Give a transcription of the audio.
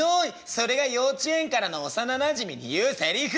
それが幼稚園からの幼なじみに言うセリフ？